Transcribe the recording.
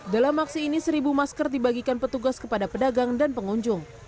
dalam aksi ini seribu masker dibagikan petugas kepada pedagang dan pengunjung